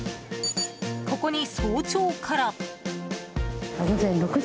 ここに早朝から。